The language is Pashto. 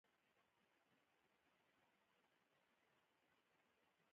یمن او سوریه به ارام شي.